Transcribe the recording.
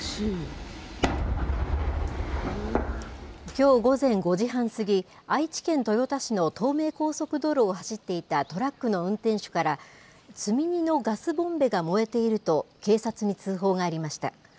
きょう午前５時半過ぎ、愛知県豊田市の東名高速道路を走っていたトラックの運転手から、積み荷のガスボンベが燃えていると、警察に通報がありました。